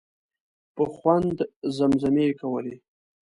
په خوند زمزمې یې کولې.